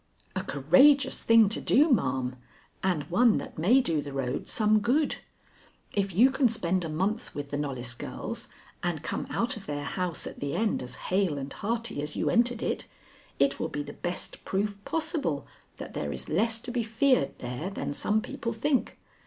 "A courageous thing to do, ma'am, and one that may do the road some good. If you can spend a month with the Knollys girls and come out of their house at the end as hale and hearty as you entered it, it will be the best proof possible that there is less to be feared there than some people think.